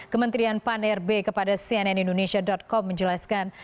kementerian pan rb kepada cnnindonesia com menjelaskan